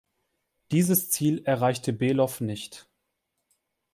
Dieses Ziel erreichte Below nicht.